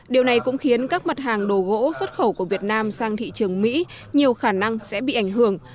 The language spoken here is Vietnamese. điều này cũng khiến các mặt hàng đồ gỗ xuất khẩu của việt nam sang thị trường mỹ nhiều khả năng sẽ bị ảnh hưởng